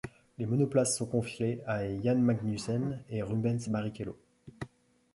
Les monoplaces sont confiées à Jan Magnussen et Rubens Barrichello.